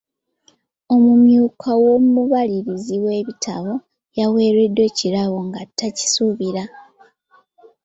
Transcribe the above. Omumyuka w'omubalirizi w'ebitabo yaweereddwa ekirabo nga takisuubira.